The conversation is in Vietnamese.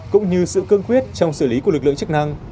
cũng như sự cương quyết trong xử lý của lực lượng chức năng